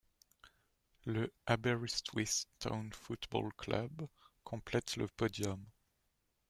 Le Aberystwyth Town Football Club complète le podium.